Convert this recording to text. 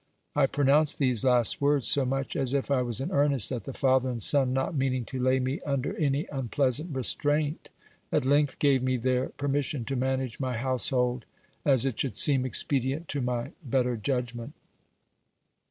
I pronounced these last words so much as if I was in earnest, that the father and son, not meaning to lay me under any unpleasant restraint, at length gave me their per mission to manage my household as it should seem expedient to my better judgment.